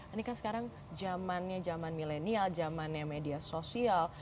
ini kan sekarang jamannya jaman milenial jamannya media sosial